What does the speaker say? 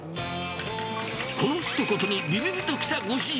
このひと言にびびびと来たご主人。